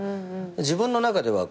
自分の中では。